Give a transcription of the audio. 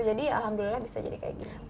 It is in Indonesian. jadi alhamdulillah bisa jadi kayak gini